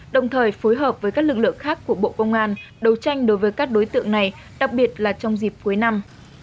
đồng thời phối hợp với các lực lượng khác của bộ công an đấu tranh đối với các đối tượng này đặc biệt là trong dịp cuối năm